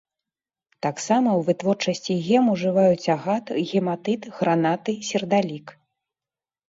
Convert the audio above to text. Таксама ў вытворчасці гем ужываюць агат, гематыт, гранаты, сердалік.